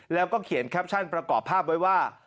แล้วก็เขียนแคปชั่นประกอบภาพไว้ว่า